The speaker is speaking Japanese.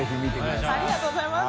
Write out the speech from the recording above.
ありがとうございます。